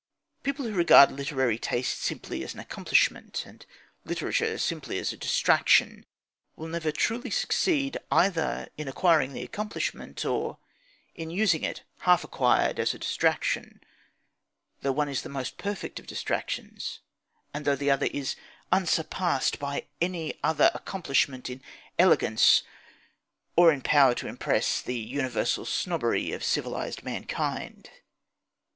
People who regard literary taste simply as an accomplishment, and literature simply as a distraction, will never truly succeed either in acquiring the accomplishment or in using it half acquired as a distraction; though the one is the most perfect of distractions, and though the other is unsurpassed by any other accomplishment in elegance or in power to impress the universal snobbery of civilised mankind.